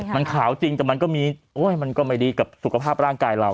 มันขาวจริงแต่มันก็มีมันก็ไม่ดีกับสุขภาพร่างกายเรา